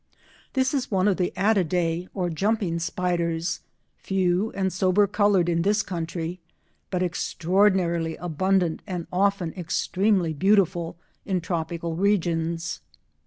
This is one of the Attidae or jumping spiders—few and sober coloured in this country, but extraordinarily abundant and often extremely beautiful in tropical regions.